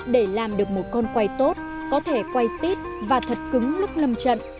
để làm được một con quay tốt có thể quay tít và thật cứng lúc lâm trận